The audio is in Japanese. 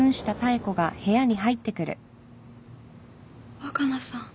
・若菜さん。